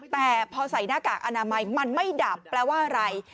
แต่พอใส่หน้ากากอนามัยมันไม่ดับแปลว่าอะไร